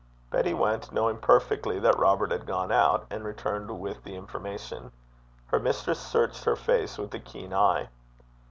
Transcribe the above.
Betty went, knowing perfectly that Robert had gone out, and returned with the information. Her mistress searched her face with a keen eye.